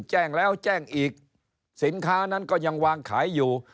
แจ้งแล้วแจ้งอีกสินค้านั้นก็ยังวางขายอยู่